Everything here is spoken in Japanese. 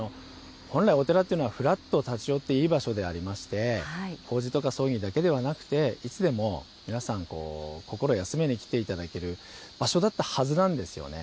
本来、お寺というのは、ふらっと立ち寄っていい場所でありまして、法事とかそういうのだけではなくて、いつでも皆さん、心休めに来ていただける場所だったはずなんですよね。